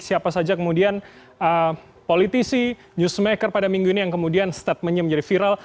siapa saja kemudian politisi newsmaker pada minggu ini yang kemudian statementnya menjadi viral